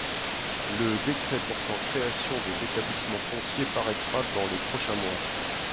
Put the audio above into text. Le décret portant création de l’établissement foncier paraîtra dans les prochains mois.